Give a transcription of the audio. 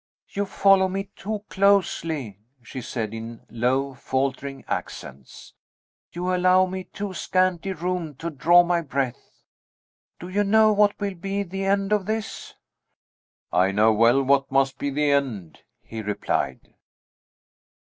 "You follow me too closely," she said, in low, faltering accents; "you allow me too scanty room to draw my breath. Do you know what will be the end of this?" "I know well what must be the end," he replied.